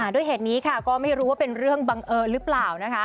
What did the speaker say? ด้วยเหตุนี้ค่ะก็ไม่รู้ว่าเป็นเรื่องบังเอิญหรือเปล่านะคะ